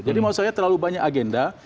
jadi maksudnya terlalu banyak agenda